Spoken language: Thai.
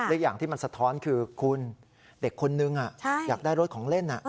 และอย่างที่มันสะท้อนคือคุณเด็กคนนึงอยากได้รถของเล่น